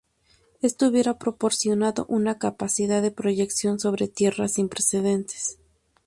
Esto hubiera proporcionado una capacidad de proyección sobre tierra sin precedentes.